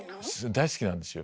大好きなんですよ。